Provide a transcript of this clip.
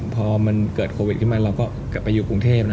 พอมันเกิดโควิดขึ้นมาเราก็กลับไปอยู่กรุงเทพ